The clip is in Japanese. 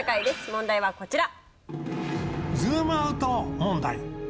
問題はこちら。